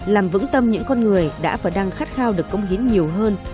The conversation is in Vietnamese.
làm vững tâm những con người đã và đang khát khao được công hiến nhiều hơn